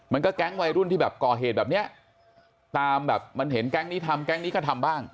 แก๊งวัยรุ่นที่แบบก่อเหตุแบบเนี้ยตามแบบมันเห็นแก๊งนี้ทำแก๊งนี้ก็ทำบ้าง